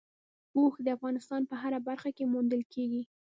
اوښ د افغانستان په هره برخه کې موندل کېږي.